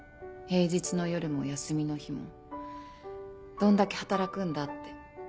平日の夜も休みの日もどんだけ働くんだって。